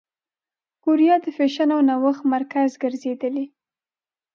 کوریا د فېشن او نوښت مرکز ګرځېدلې.